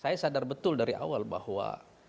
saya sadar betul dari awal bahwa